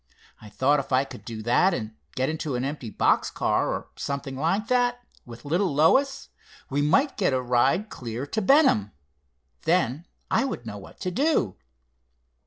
I thought if I could do that, and get into an empty box car, or something like that, with little Lois, we might get a ride clear to Benham. Then I would know what to do."